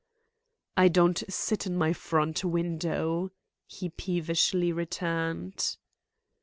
"I don't sit in my front window," he peevishly returned.